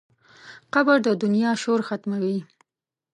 قبر د دنیا شور ختموي.